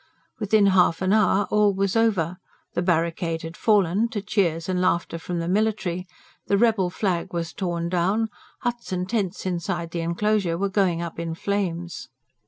Within half an hour all was over: the barricade had fallen, to cheers and laughter from the military; the rebel flag was torn down; huts and tents inside the enclosure were going up in flames.